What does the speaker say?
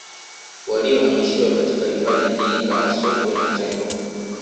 Waliohamishiwa katika hifadhi hii kama Sokwe na Tembo